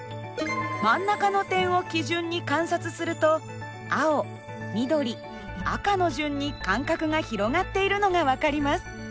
真ん中の点を基準に観察すると青緑赤の順に間隔が広がっているのが分かります。